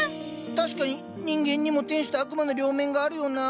確かに人間にも天使と悪魔の両面があるよなあ。